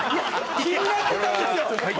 ・気になってたんですよ！